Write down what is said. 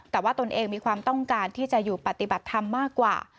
แต่ว่าตนเองมีความต้องการที่จะอยู่ปฏิบัติธรรมมากกว่า